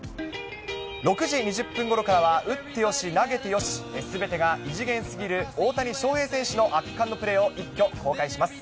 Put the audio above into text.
６時２０分ごろからは、打ってよし、投げてよし、すべてが異次元すぎる大谷翔平選手の圧巻のプレーを一挙公開します。